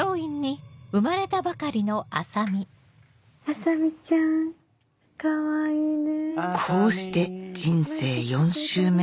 麻美ちゃんかわいいね。